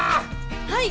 はい！